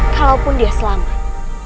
kalaupun dia selamat